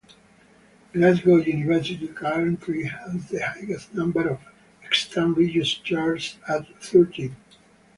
Glasgow University currently has the highest number of extant Regius chairs, at thirteen.